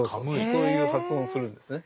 そういう発音をするんですね。